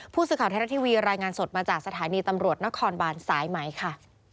ผู้สื่อข่าวไทยรัฐทีวีรายงานสดมาจากสถานีตำรวจนครบานสายไหมค่ะ